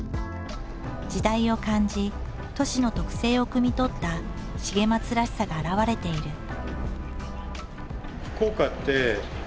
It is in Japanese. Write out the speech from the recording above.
時代を感じ都市の特性をくみ取った重松らしさが表れている。